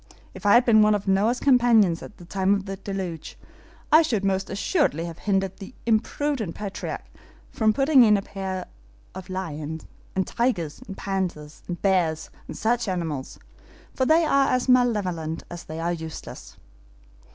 If I had been one of Noah's companions at the time of the deluge, I should most assuredly have hindered the imprudent patriarch from putting in pairs of lions, and tigers, and panthers, and bears, and such animals, for they are as malevolent as they are useless."